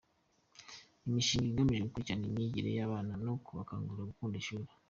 Imishinga igamije gukurikirana imyigire y’abana no kubakangurira gukunda ishuri.